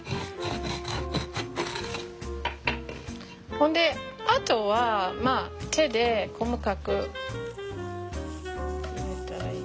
ほんであとはまあ手で細かく入れたらいい。